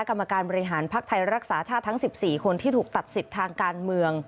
กรรมการบริหารภักดิ์ไทยรักษาชาติทั้ง๑๔คนที่ถูกตัดสิทธิ์ทางการเมือง